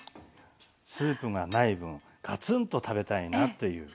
スープがない分ガツンと食べたいなっていう。